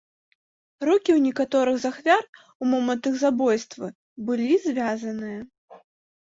Рукі ў некаторых з ахвяр у момант іх забойствы былі звязаныя.